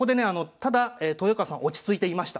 ただ豊川さん落ち着いていました。